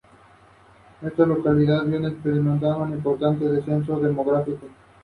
Este castillo está muy deteriorado y su estado actual es de ruina avanzada.